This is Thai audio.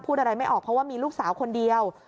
อะไรไม่ออกเพราะว่ามีลูกสาวคนเดียว